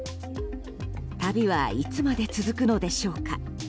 旅はいつまで続くのでしょうか。